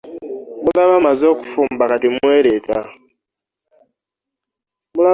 Mulaba mmaze okufumba kati mwereeta?